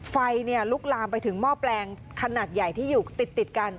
ไฟลุกลามไปถึงหม้อแปลงขนาดใหญ่ที่อยู่ติดกัน